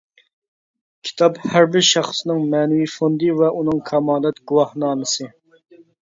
كىتاب ھەربىر شەخسنىڭ مەنىۋى فوندى ۋە ئۇنىڭ كامالەت گۇۋاھنامىسى.